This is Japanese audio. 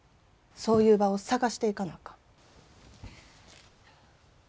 そういう場を探していかなあかん。